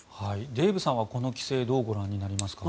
デーブさんはこの規制をどうご覧になりますか。